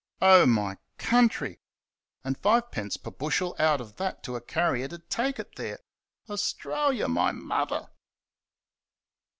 Oh, my country! and fivepence per bushel out of that to a carrier to take it there! AUSTRALIA, MY MOTHER!